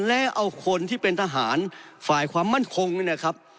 และเอาคนที่เป็นทหารฝ่ายความมั่นคงนี่นะครับ